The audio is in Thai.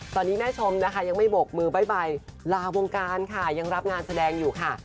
ตอนนี้แม่ชมนะคะยังไม่บกมือบ๊ใบลาวงการค่ะยังรับงานแสดงอยู่ค่ะ